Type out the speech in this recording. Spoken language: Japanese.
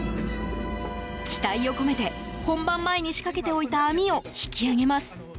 期待を込めて本番前に仕掛けておいた網を引き揚げます。